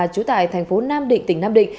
chú tại thành phố nam định tỉnh nam định